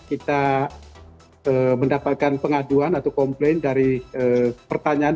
kita mendapatkan pengaduan atau komplain dari pertanyaan